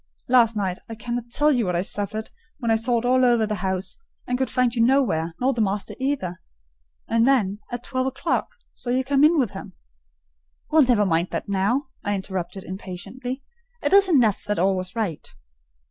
Last night I cannot tell you what I suffered when I sought all over the house, and could find you nowhere, nor the master either; and then, at twelve o'clock, saw you come in with him." "Well, never mind that now," I interrupted impatiently; "it is enough that all was right."